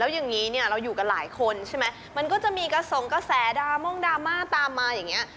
อย่างนี้เนี่ยเราอยู่กันหลายคนใช่ไหมมันก็จะมีกระสงกระแสดราม่งดราม่าตามมาอย่างนี้